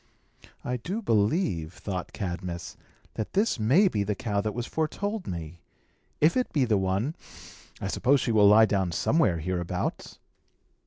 "I do believe," thought Cadmus, "that this may be the cow that was foretold me. If it be the one, I suppose she will lie down somewhere hereabouts."